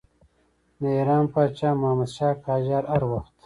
د ایران پاچا محمدشاه قاجار هر وخت.